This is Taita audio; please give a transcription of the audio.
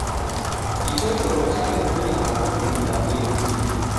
Ichi choro chawefunya harufunizamiyea